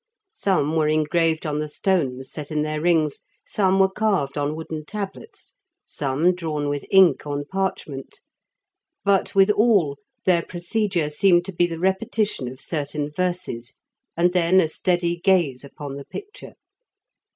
Some were engraved on the stones set in their rings; some were carved on wooden tablets, some drawn with ink on parchment; but, with all, their procedure seemed to be the repetition of certain verses, and then a steady gaze upon the picture.